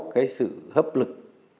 cái sự hấp lực